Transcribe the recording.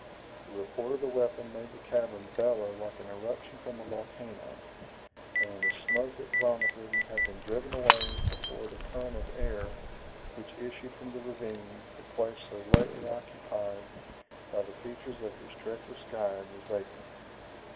The report of the weapon made the cavern bellow like an eruption from a volcano; and when the smoke it vomited had been driven away before the current of air which issued from the ravine the place so lately occupied by the features of his treacherous guide was vacant.